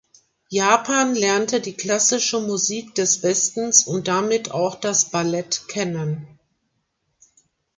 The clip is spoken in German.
Japan lernte die klassische Musik des Westens und damit auch das Ballett kennen.